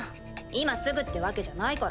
今すぐってわけじゃないから。